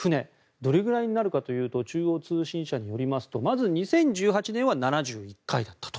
どれぐらいになるかというと中央通信社によるとまず２０１８年は７１回だったと。